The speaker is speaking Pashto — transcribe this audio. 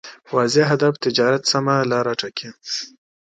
واضح هدف تجارت سمه لاره ټاکي.